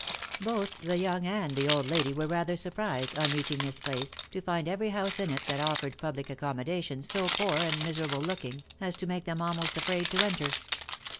Both the young and the old lady were rather surprised, on reaching r 2 244 THE LIFE AND ADVENTURES this place, to find every house in it that offered public accommodation so poor and miserable looking, as to make them almost afraid to enter.